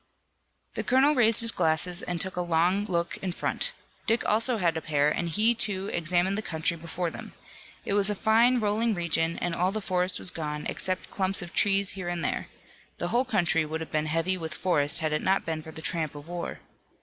The colonel raised his glasses and took a long look in front. Dick also had a pair and he, too, examined the country before them. It was a fine, rolling region and all the forest was gone, except clumps of trees here and there. The whole country would have been heavy with forest had it not been for the tramp of war.